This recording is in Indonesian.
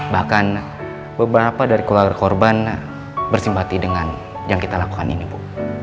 bahkan beberapa dari keluarga korban bersimpati dengan yang kita lakukan ini bu